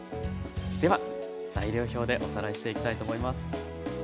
では材料表でおさらいしていきたいと思います。